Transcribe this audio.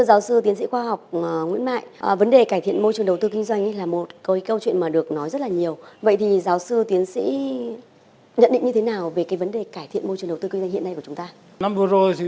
giáo sư tiến sĩ khoa học nguyễn mại chủ tịch hiệp hội doanh nghiệp đầu tư nước ngoài